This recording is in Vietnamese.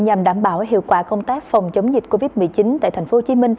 nhằm đảm bảo hiệu quả công tác phòng chống dịch covid một mươi chín tại tp hcm